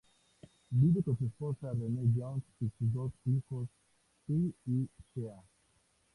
Vive con su esposa Renee Jones y sus dos hijos, Ty y Shea.